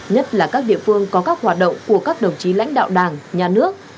nhất là các địa phương có các hoạt động của các đồng chí lãnh đạo đảng nhà nước